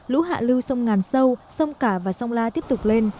lũ hạ lưu sông ngàn sâu sông cả và sông la tiếp tục lên